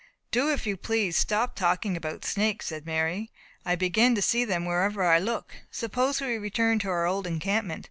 "Do, if you please, stop talking about snakes," said Mary, "I begin to see them wherever I look; suppose we return to our old encampment."